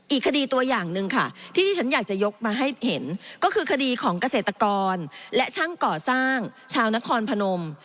อีกคดีตัวอย่างหนึ่งค่ะที่ที่ฉันอยากจะยกมาให้เห็นก็คือคดีของเกษตรกรและช่างก่อสร้างชาวนครพนม